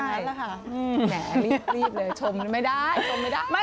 แหมรีบเลยชมไม่ได้